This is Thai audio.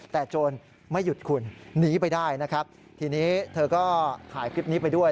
แต่โจรไม่หยุดคุณหนีไปได้นะครับทีนี้เธอก็ถ่ายคลิปนี้ไปด้วย